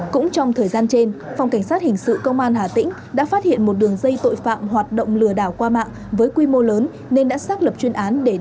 cũng trong thời gian trên phòng cảnh sát hình sự công an hà tĩnh đã phát hiện một đường dây tội phạm hoạt động lừa đảo qua mạng với quy mô lớn